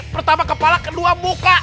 pertama kepala kedua muka